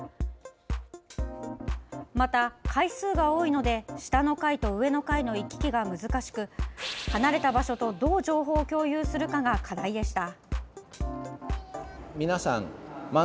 また、階数が多いので下の階と上の階の行き来が難しく離れた場所と、どう情報を共有するかが課題でした。